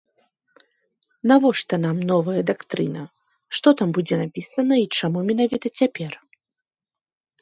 Навошта нам новая дактрына, што там будзе напісана і чаму менавіта цяпер?